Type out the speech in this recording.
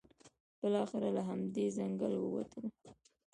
بالاخره له همدې ځنګل ووتلو.